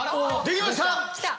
できました！